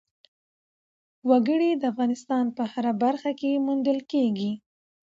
وګړي د افغانستان په هره برخه کې موندل کېږي.